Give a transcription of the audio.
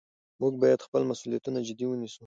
موږ باید خپل مسؤلیتونه جدي ونیسو